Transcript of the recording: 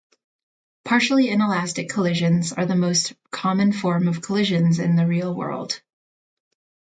Partially inelastic collisions are the most common form of collisions in the real world.